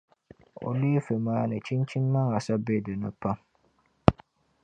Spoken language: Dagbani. o leefe maa ni chinchini maŋa sa be dinni pam.